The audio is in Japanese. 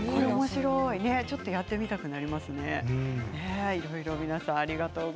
ちょっとやってみたくなりますね。